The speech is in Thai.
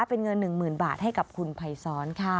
เป็นเงิน๑๐๐๐บาทให้กับคุณภัยซ้อนค่ะ